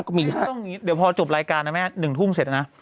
เดี๋ยวพอจบรายการนะแม่๑ทุ่มเสร็จนะ